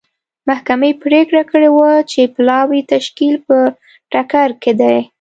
محکمې پرېکړه کړې وه چې پلاوي تشکیل په ټکر کې دی.